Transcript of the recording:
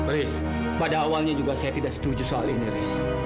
rice pada awalnya juga saya tidak setuju soal ini riz